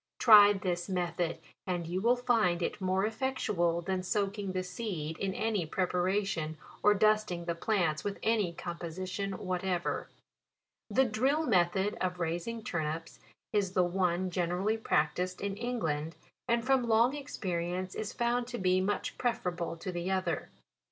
Try this method, and you will find it more effectual than soaking the seed in any pre paration, or dusting the plants with any com position whatever. The drill method of raising turnips is the one generally practised in England, and from long experience is found to be much prefer able to the other.